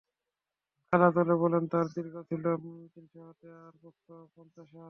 কাতাদা বলেন, তার দৈর্ঘ্য ছিল তিনশ হাত আর প্রস্থ পঞ্চাশ হাত।